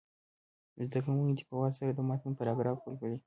زده کوونکي دې په وار سره د متن پاراګراف ولولي.